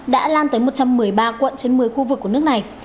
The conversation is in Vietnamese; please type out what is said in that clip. đã lan tới một trăm một mươi ba quận trên một mươi khu vực của nước này